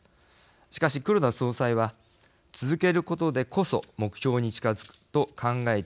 しかし黒田総裁は続けることでこそ目標に近づくと考えていたようです。